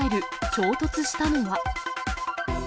衝突したのは。